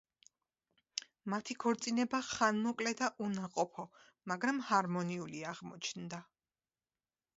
მათი ქორწინება ხანმოკლე და უნაყოფო, მაგრამ ჰარმონიული აღმოჩნდა.